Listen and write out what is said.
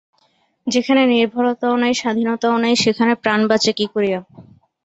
যেখানে নির্ভরতাও নাই, স্বাধীনতাও নাই, সেখানে প্রাণ বাঁচে কী করিয়া?